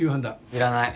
いらない。